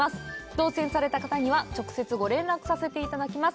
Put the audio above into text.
当選された方には直接ご連絡させて頂きます